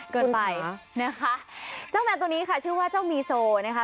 เกินไปนะคะเจ้าแมวตัวนี้ค่ะชื่อว่าเจ้ามีโซนะคะ